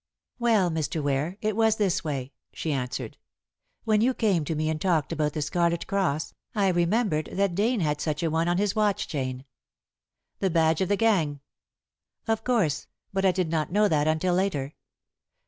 "Well, Mr. Ware, it was this way," she answered. "When you came to me and talked about the Scarlet Cross, I remembered that Dane had such a one on his watch chain." "The badge of the gang!" "Of course, but I did not know that until later.